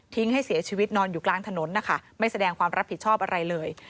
ให้เสียชีวิตนอนอยู่กลางถนนนะคะไม่แสดงความรับผิดชอบอะไรเลย